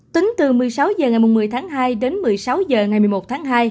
tính từ một mươi sáu h ngày một mươi tháng hai đến một mươi sáu h ngày một mươi một tháng hai